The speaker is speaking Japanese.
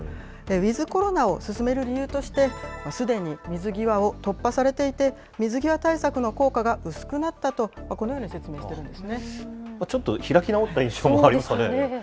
ウィズコロナを進める理由として、すでに水際を突破されていて、水際対策の効果が薄くなったと、このように説明しているんですね。ちょっと開き直った印象もありますかね。